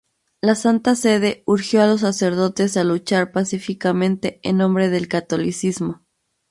La Santa Sede urgió a los sacerdotes a luchar pacíficamente en nombre del catolicismo.